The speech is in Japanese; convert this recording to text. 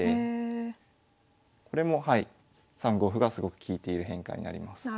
これも３五歩がすごく利いている変化になります。